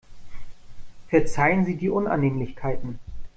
Verzeihen Sie die Unannehmlichkeiten.